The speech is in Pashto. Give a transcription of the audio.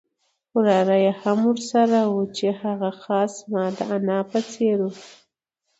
وراره یې هم ورسره وو چې هغه خاص زما د انا په څېر وو.